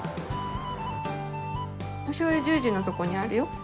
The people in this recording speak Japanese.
おしょうゆ１０時のとこにあるよ。